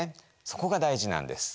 そこが大事なんです。